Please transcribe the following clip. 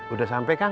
udah sampe kang